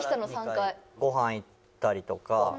ごはん行ったりとか。